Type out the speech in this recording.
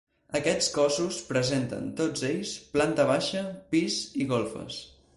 Aquests cossos presenten, tots ells, planta baixa, pis i golfes.